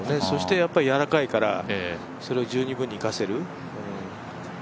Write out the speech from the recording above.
そしてやっぱりやわらかいから、それを十二分に生かせる。